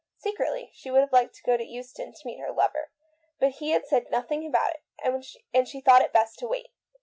Secretly, she would have liked to go to Euston to meet her lover, but he had said nothing about it, and she thought it best to wait.